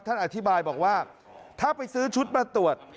ท่านอธิบายบอกว่าถ้าไปซื้อชุดมาตรวจ